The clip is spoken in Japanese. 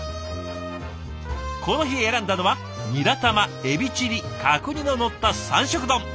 この日選んだのはニラ玉エビチリ角煮ののった三色丼。